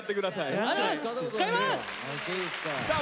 さあ